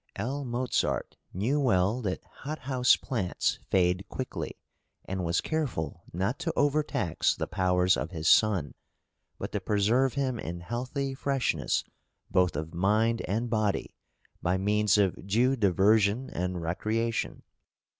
L. Mozart knew well that hot house plants fade quickly, and was careful not to overtax the powers of his son, but to preserve him in healthy freshness, both of mind and body, by means of due diversion and recreation.